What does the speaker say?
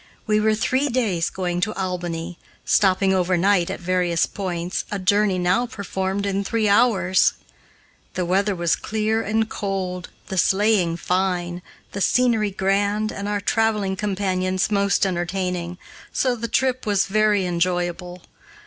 We were three days going to Albany, stopping over night at various points; a journey now performed in three hours. The weather was clear and cold, the sleighing fine, the scenery grand, and our traveling companions most entertaining, so the trip was very enjoyable.